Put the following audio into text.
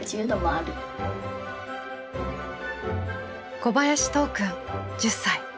小林都央くん１０歳。